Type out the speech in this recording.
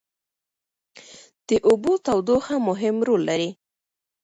د اوبو تودوخه هم مهم رول لري.